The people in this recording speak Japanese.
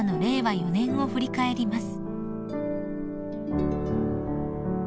４年を振り返ります］